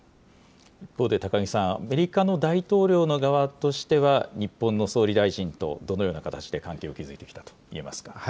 一方で高木さん、アメリカの大統領の側としては、日本の総理大臣とどのような形で関係を築いてきたといえますか。